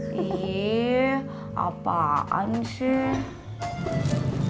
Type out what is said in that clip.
cie apaan sih